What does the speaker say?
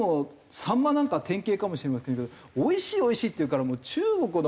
サンマなんかは典型かもしれませんけど「おいしいおいしい」って言うから中国の方々